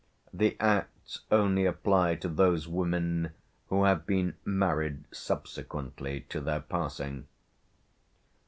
The Acts only apply to those women who have been married subsequently to their passing.